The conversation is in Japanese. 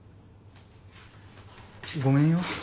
ごめんよ。